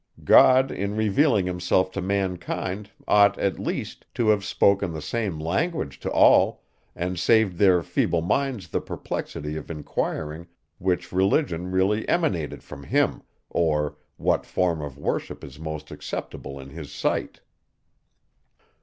God, in revealing himself to mankind, ought at least, to have spoken the same language to all, and saved their feeble minds the perplexity of inquiring which religion really emanated from him, or what form of worship is most acceptable in his sight.